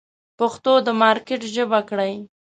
پښتو د مارکېټ ژبه کړئ.